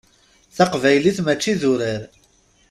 Taqbaylit mačči d urar.